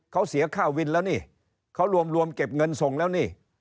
เขาเสียค่าวินแล้วนี่เขารวมเก็บเงินส่งแล้วนี่